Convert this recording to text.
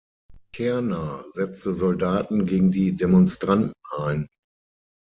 Cerna setzte Soldaten gegen die Demonstranten ein.